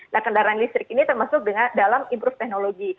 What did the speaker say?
nah kendaraan listrik ini termasuk dalam improve teknologi